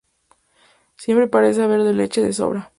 Siempre parece haber leche de sobra.